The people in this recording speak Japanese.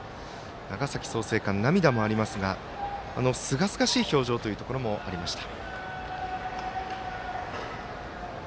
長崎、創成館、涙もありますがすがすがしい表情もありました。